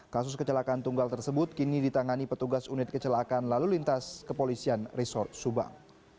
kasus kecelakaan tunggal tersebut kini ditangani petugas unit kecelakaan lalu lintas kepolisian resort subang